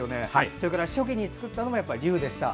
それから初期に作ったのも龍でした。